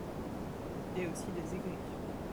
Et aussi des aigris.